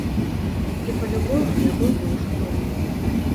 І па-любому я быў бы ўжо дома.